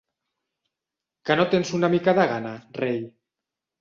Que no tens una mica de gana, rei?